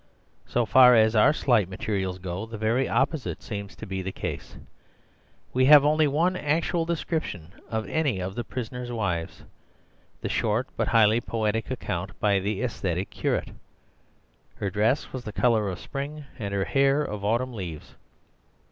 So far as our slight materials go, the very opposite seems to be the case. We have only one actual description of any of the prisoner's wives— the short but highly poetic account by the aesthetic curate. 'Her dress was the colour of spring, and her hair of autumn leaves.